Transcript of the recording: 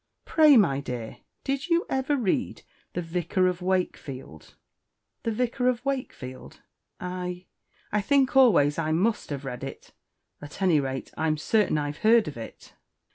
"Pray, my dear, did you ever read the 'Vicar of Wakefield?'" "The 'Vicar of Wakefield?' I I think always I must have read it: at any rate, I'm certain I've heard of it."